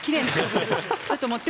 だと思って。